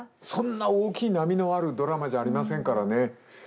そんな大きい波のあるドラマじゃありませんからね。